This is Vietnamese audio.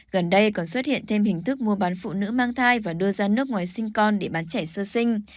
gần đây còn xuất hiện thêm hình thức mua bán phụ nữ mang thai và đưa ra nước ngoài sinh con để bán trẻ sơ sinh